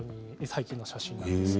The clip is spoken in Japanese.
最近の写真です。